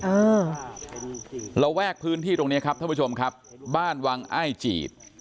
อ่าระแวกพื้นที่ตรงเนี้ยครับท่านผู้ชมครับบ้านวังอ้ายจีด